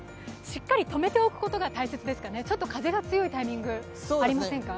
しっかり止めておくことが大切ですかね、風が強いタイミング、ありませんか？